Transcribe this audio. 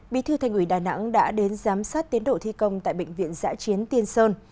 bí thư thành ủy đà nẵng đã đến giám sát tiến độ thi công tại bệnh viện giã chiến tiên sơn